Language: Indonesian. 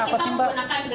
itu nanti cukup tinggi